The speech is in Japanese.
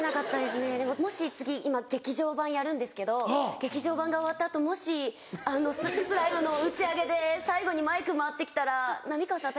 もし次今劇場版やるんですけど劇場版が終わった後もし『スライム』の打ち上げで最後にマイク回って来たら浪川さん